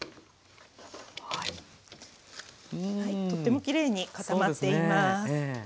とってもきれいに固まっています。